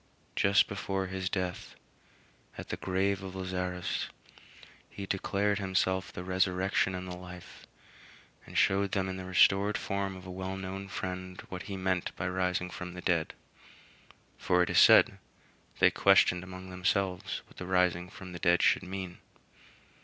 Then, just before his death, at the grave of Lazarus, he declared himself the Resurrection and the Life, and showed them in the restored form of a well known friend what he meant by rising from the dead for it is said, "They questioned among themselves what the rising from the dead should mean."